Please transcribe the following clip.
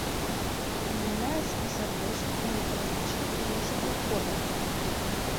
Прымяняюцца пры сардэчных, гінекалагічных і іншых захворваннях.